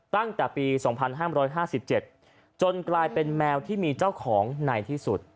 ตั้งแต่ปี๒๕๕๗จนกลายเป็นแมวที่มีเจ้าของในที่สุด